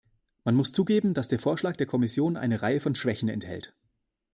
Man muss zugeben, dass der Vorschlag der Kommission eine Reihe von Schwächen enthält.